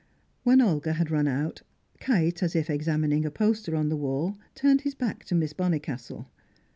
When Olga had run out, Kite, as if examining a poster on the wall, turned his back to Miss Bonnicastle.